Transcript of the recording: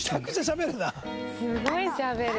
すごいしゃべる。